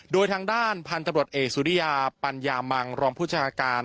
โดยทางด้านพันธุ์ตำรวจเอกสุริยาปัญญามังรองผู้จัดการ